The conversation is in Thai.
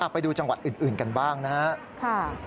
ไปดูจังหวัดอื่นกันบ้างนะครับ